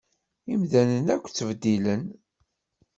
Imdanen akk ttbeddilen.